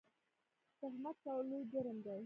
تهمت کول لوی جرم دی